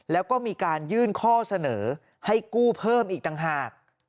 แล้วก็มีการยื่นข้อเสนอให้กู้เพิ่มอีกต่างหาก